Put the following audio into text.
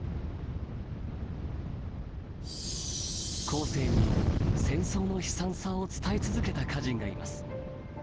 後世に戦争の悲惨さを伝え続けた歌人がいます。